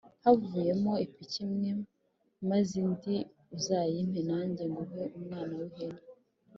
havuyemo ipiki imwe, maze indi uzayimpe nange nguhe umwana w’ihene;